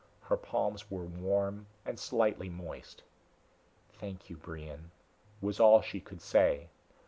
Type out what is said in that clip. Her palms were warm and slightly moist. "Thank you, Brion," was all she could say.